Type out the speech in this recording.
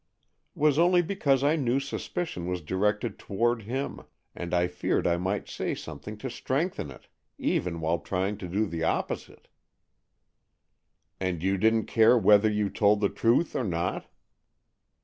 "Was only because I knew suspicion was directed toward him, and I feared I might say something to strengthen it, even while trying to do the opposite." "And you didn't care whether you told the truth or not?"